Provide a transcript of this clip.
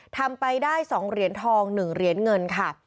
ทำไปได้๒เหรียญทอง๑เหรียญเงินค่ะ